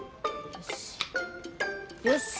よし。